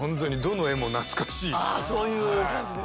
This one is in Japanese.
あそういう感じですか。